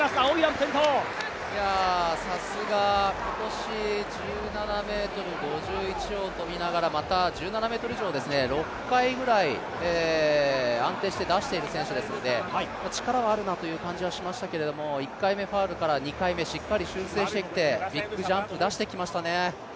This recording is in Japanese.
さすが今年、１７ｍ５１を跳びながらまた１７ｍ以上を６回ぐらい安定して出してる選手ですので力はあるなという感じはしましたけど、１回目ファウルから２回目しっかり修正してきてビッグジャンプ出してきましたね。